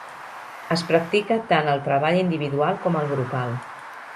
Es practica tant el treball individual com el grupal.